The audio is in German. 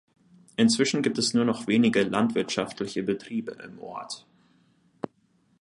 Inzwischen gibt es nur noch wenige landwirtschaftliche Betriebe im Ort.